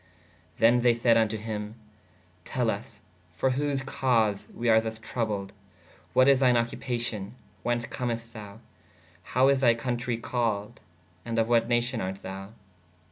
¶ Thē they said vnto hī/ tel vs for whose cause we are thus trowbled: what is thine occupaciō/ whence comest thou/ how is thy cōtre called/ & of what nacion art thou?